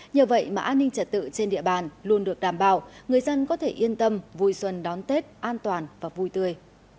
nhờ vậy mà an ninh trật tự trên địa bàn luôn được đảm bảo người dân có thể yên tâm vui xuân đón tết an toàn và vui tươi